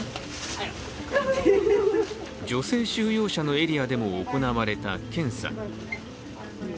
女性収容者のエリアでも行われた検査。